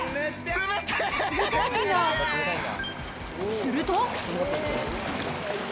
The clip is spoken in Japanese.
すると。